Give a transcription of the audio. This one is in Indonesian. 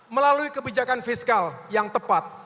melalui kebijakan fiskal yang tepat